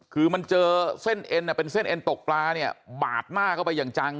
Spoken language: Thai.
คือมันเจอเส้นเอ็นเป็นเส้นเอ็นตกปลาเนี่ยบาดหน้าเข้าไปอย่างจัง